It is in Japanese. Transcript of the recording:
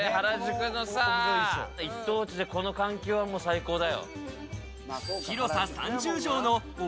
原宿の一等地でこの環境は最高だよ。